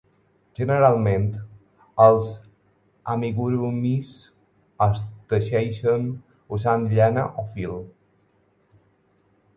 Generalment, els amigurumis es teixeixen usant llana o fil.